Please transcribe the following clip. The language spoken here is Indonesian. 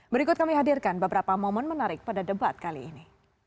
berikut kami hadirkan beberapa momen menarik pada debat kali ini